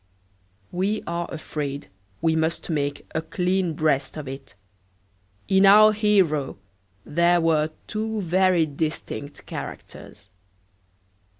We are afraid we must make a clean breast of it: in our hero there were two very distinct characters.